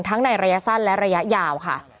ในระยะสั้นและระยะยาวค่ะ